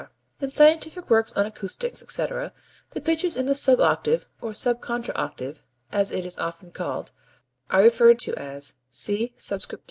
In scientific works on acoustics, etc., the pitches in the sub octave (or sub contra octave as it is often called) are referred to as C_2, D_2, E_2, etc.